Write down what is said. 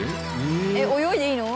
えっ泳いでいいの？